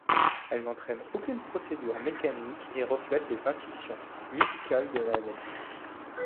Elle n’entraîne aucune procédure mécanique et reflète les intuitions musicales de l’analyste.